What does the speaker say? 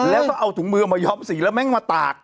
แล้วก็เอาถุงมือออกมาย้อมสีแล้วแม่งมาตาก